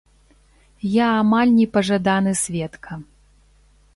Я амаль непажаданы сведка.